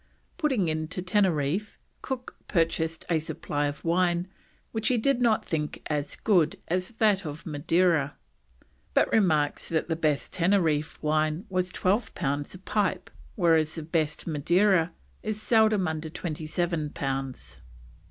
Putting in to Teneriffe, Cook purchased a supply of wine, which he did not think as good as that of Madeira, but remarks that the best Teneriffe wine was "12 pounds a pipe, whereas the best Madeira is seldom under 27 pounds."